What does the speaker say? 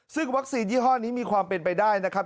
ซึ่งวัคซีนยี่ห้อนี้มีความเป็นไปได้นะครับ